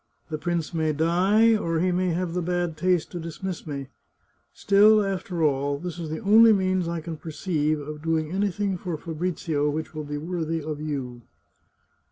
The prince may die, or he may have the bad taste to dismiss me. Still, after all, this is the only means I can perceive of doing anything for Fabrizio which will be worthy of you."